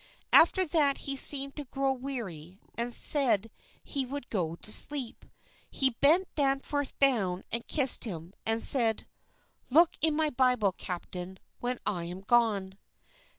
After that he seemed to grow weary and said he would go to sleep. He bent Danforth down and kissed him, and then said, "Look in my Bible, Captain, when I am gone."